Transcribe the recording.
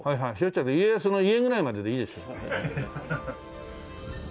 家康の家ぐらいまででいいですよ。